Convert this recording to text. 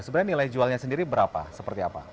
sebenarnya nilai jualnya sendiri berapa seperti apa